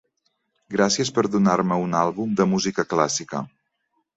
Gràcies per donar-me un àlbum de música clàssica.